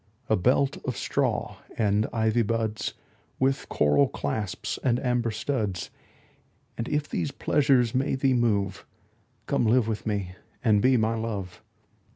A belt of straw and ivy buds With coral clasps and amber studs: And if these pleasures may thee move, Come live with me and be my Love.